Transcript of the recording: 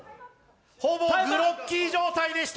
ほぼグロッキー状態でした。